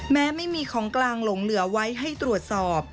แม้ไม่มีของกลางหลงเหลือไว้ให้ตรวจสอบ